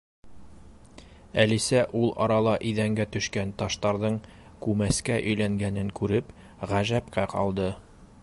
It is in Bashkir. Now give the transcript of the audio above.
Әлисә ул арала иҙәнгә төшкән таштарҙың күмәскә өйләнгәнен күреп, ғәжәпкә ҡалды.